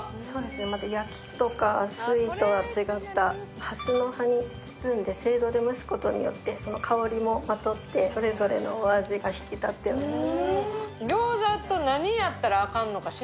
また焼きとか水とは違った、はすの葉に包んで、せいろで蒸すことによって香りをまとって、それぞれの味が引き立っております。